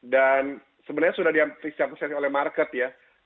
dan sebenarnya sudah diakses oleh market ya